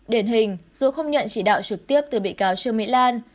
điển hình dù không nhận chỉ đạo trực tiếp từ bị cáo trương mỹ lan